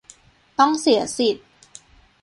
ต้องเสียสิทธิ์